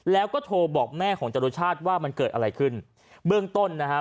แล้วก็โทรบอกแม่ของจรุชาติว่ามันเกิดอะไรขึ้นเบื้องต้นนะฮะ